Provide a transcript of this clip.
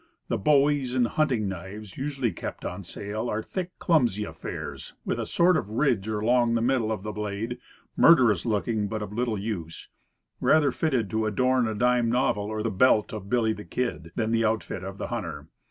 The "bowies" and "hunting knives" usually kept on sale, are thick, clumsy affairs, with a sort of ridge along the middle of the blade, mur derous looking, but of little use; rather fitted to adorn a dime novel or the belt of "Billy the Kid," than the outfit of the hunter.